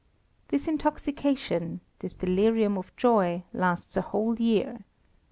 This intoxication, this delirium of joy, lasts a whole year.